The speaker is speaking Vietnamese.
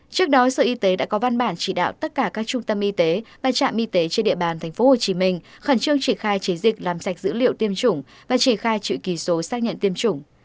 trước đó sở y tế đã có văn bản chỉ đạo tất cả các trung tâm y tế và trạm y tế trên địa bàn tp hcm khẩn trương triển khai chiến dịch làm sạch dữ liệu tiêm chủng và triển khai chữ kỳ số xác nhận tiêm chủng